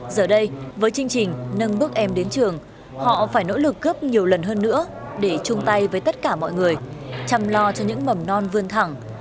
giờ đây với chương trình nâng bước em đến trường họ phải nỗ lực gấp nhiều lần hơn nữa để chung tay với tất cả mọi người chăm lo cho những mầm non vươn thẳng